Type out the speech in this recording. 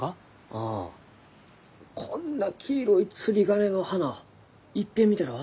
ああこんな黄色い釣り鐘の花いっぺん見たら忘れん。